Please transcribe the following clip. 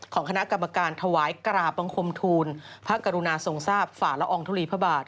ของคณะกรรมการถวายกราบบังคมทูลพระกรุณาทรงทราบฝ่าละอองทุลีพระบาท